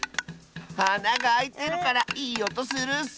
あながあいてるからいいおとするッス！